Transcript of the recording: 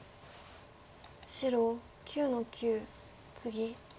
白９の九ツギ。